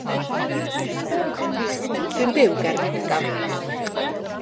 Dwi'n byw ger Wrecsam.